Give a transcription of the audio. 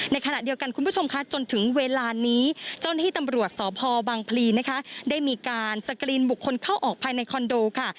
ในขณะเดียวกันคุณผู้ชมคะจนถึงเวลานี้เจ้าหน้าที่ตำรวจสพบังพลีนะคะได้มีการสกรีนบุคคลเข้าออกภายในคอนโดค่ะ